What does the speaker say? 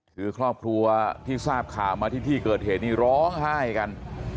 คือครอบครัวที่ทราบข่าวมาที่ที่เกิดเหตุนี่ร้องไห้กัน